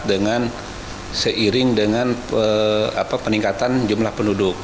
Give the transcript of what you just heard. dengan seiring dengan peningkatan jumlah penduduk